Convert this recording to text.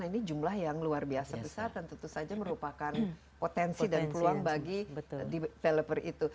ini jumlah yang luar biasa besar dan tentu saja merupakan potensi dan peluang bagi developer itu